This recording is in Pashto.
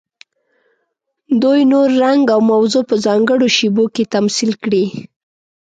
دوی نور، رنګ او موضوع په ځانګړو شیبو کې تمثیل کړي.